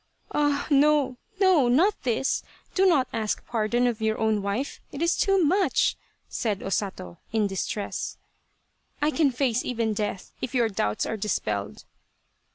" Ah no, no not this ! Do not ask pardon of your own wife, it is too much !" said O Sato, in dis tress. " I can face even death if your doubts are dispelled."